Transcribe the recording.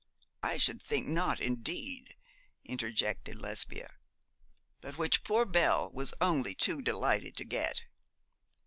'I should think not, indeed,' interjected Lesbia. 'But which poor Belle was only too delighted to get.'